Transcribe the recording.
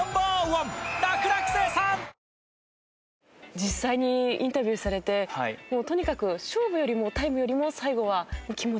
実際にインタビューされてもうとにかく勝負よりもタイムよりも最後は気持ち。